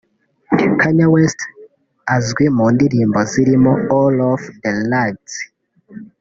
Kanye West azwi mu ndirimbo zirimo “All of The Lights”